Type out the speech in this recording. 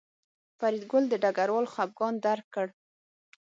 فریدګل د ډګروال خپګان درک کړ